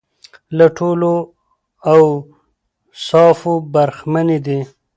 له ټولو اوصافو برخمنې دي.